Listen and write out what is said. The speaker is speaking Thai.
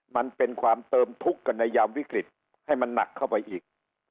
มันเป็นความเติมทุกข์กันในยามวิกฤตให้มันหนักเข้าไปอีก